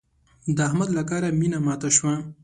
د احمد له کاره مينه ماته شوه.